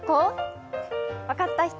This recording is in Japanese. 分かった人？